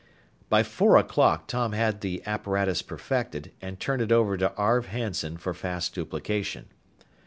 By four o'clock Tom had the apparatus perfected, and turned it over to Arv Hanson for fast duplication.